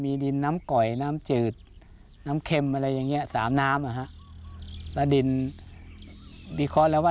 มีดินน้ำก่อยน้ำจืดน้ำเค็มสามน้ำ